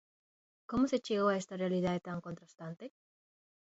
Como se chegou a esta realidade tan contrastante?